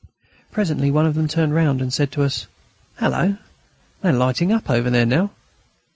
Presently one of them turned round and said to us: "Hallo! They are lighting up over there now."